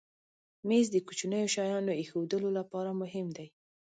مېز د کوچنیو شیانو ایښودلو لپاره مهم دی.